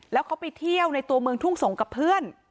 แล้วเขาไปเที่ยวในตัวเมืองทุ่งสงกับเพื่อน